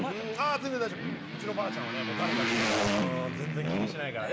全然大丈夫、うちのばあちゃんは誰が来ても全然気にしないから。